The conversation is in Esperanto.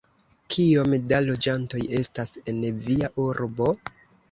Kiom da loĝantoj estas en via urbo?